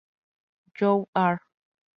You are.